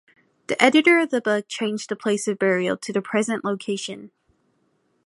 The editor of the book changed the place of burial to the present location.